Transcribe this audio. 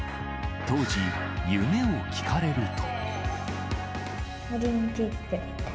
当時、夢を聞かれると。